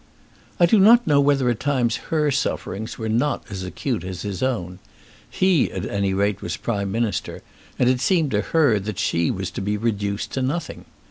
I do not know whether at times her sufferings were not as acute as his own. He, at any rate, was Prime Minister, and it seemed to her that she was to be reduced to nothing.